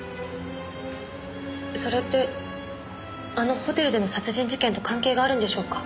それってあのホテルでの殺人事件と関係があるんでしょうか？